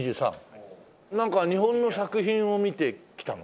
なんか日本の作品を見て来たの？